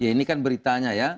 ini kan beritanya ya